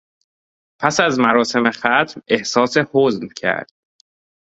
پس از مراسم ختم احساس حزن کرد.